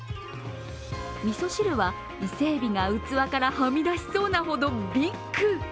みそ汁は伊勢えびが器からはみ出しそうなほどビッグ。